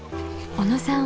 小野さん